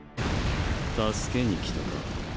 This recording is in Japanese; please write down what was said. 助けに来たか？